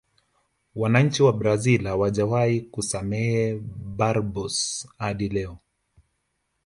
wananchi wa brazil hawajawahi kumsamehe barbosa hadi leo